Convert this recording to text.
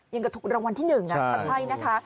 อย่างกับรางวัลที่หนึ่งถ้าใช่นะคะ